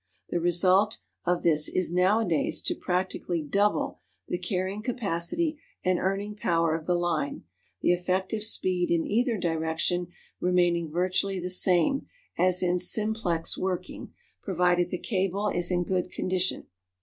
The result of this is nowadays to practically double the carrying capacity and earning power of the line, the effective speed in either direction remaining virtually the same as in "simplex" working, provided the cable is in good condition.